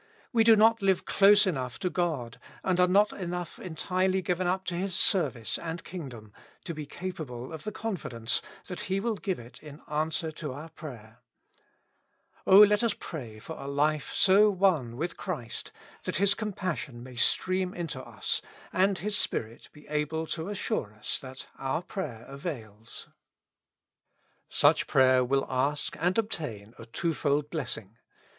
We do not live close enough to God, and are not enough entirely given up to His service and Kingdom, to be capable of the confidence that He will give it in answer to our prayer. O let us pray for a life so one with 74 With Christ in the School of Prayer. Christ, that His compassion may stream into us, and His Spirit be able to assure us that our prayer avails. Such prayer will ask and obtain a twofold blessing.